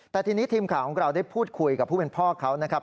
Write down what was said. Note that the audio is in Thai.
แต่ทีนี้ทีมข่าวของเราได้พูดคุยกับผู้เป็นพ่อเขานะครับ